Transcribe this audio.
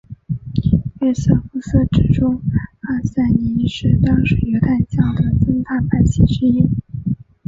约瑟夫斯指出艾赛尼是当时犹太教的三大派系之一。